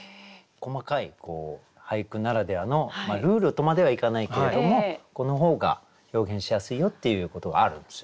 細かい俳句ならではのルールとまではいかないけれどもこの方が表現しやすいよっていうことがあるんですよ。